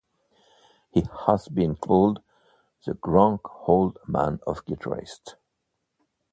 He has been called the "grand old man of guitarists".